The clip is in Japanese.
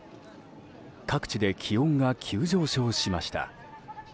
各地で気温が急上昇しました。